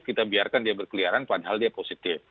kita biarkan dia berkeliaran padahal dia positif